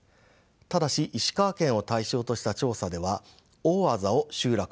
ただし石川県を対象とした調査では大字を集落と見なしています。